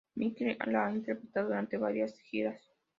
McCartney la ha interpretado durante varias giras.